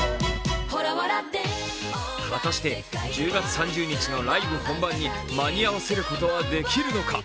果たして１０月３０日のライブ本番に間に合わせることはできるのか。